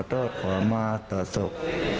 ขอโทษขอมาต่อศพ